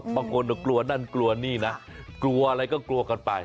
บางคนก็กลัวนั่นกลัวนี่นะกลัวอะไรก็กลัวกันไป